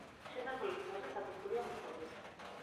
შესასვლელის თავზე სათოფურია მოწყობილი.